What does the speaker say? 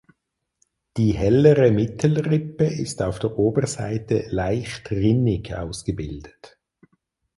Die hellere Mittelrippe ist auf der Oberseite leicht rinnig ausgebildet.